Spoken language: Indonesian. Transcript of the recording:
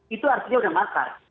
itu artinya sudah matang